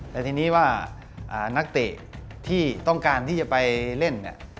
แต่ทีนี้ว่านักเตะที่ต้องการที่จะไปเล่นเนี่ย